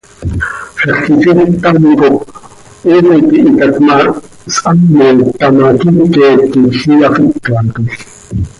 Zaxt quisil ctam cop hoox oo tihitac ma, shamoc taa ma, quiiquet quij iyafícatol.